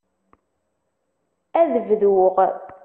Ad bduɣ.